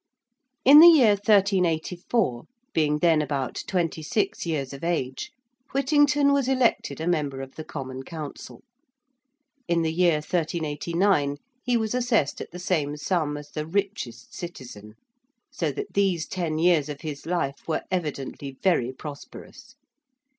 In the year 1384, being then about twenty six years of age, Whittington was elected a member of the Common Council. In the year 1389 he was assessed at the same sum as the richest citizen. So that these ten years of his life were evidently very prosperous.